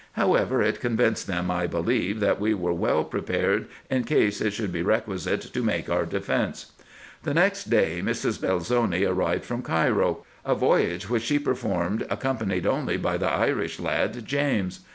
However, it convinced them, I believe, that we were well pre pared in case it should be requisite to make our defence. The next day Mrs. Belzoni arrived from Cairo, a voyage which she performed accompanied only by the Irish lad, James.